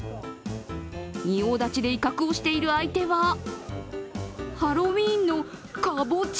仁王立ちで威嚇をしている相手はハロウィーンのかぼちゃ。